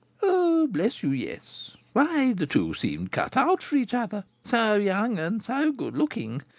"Oh, bless you, yes! Why, the two seemed cut out for each other, so young and so good looking!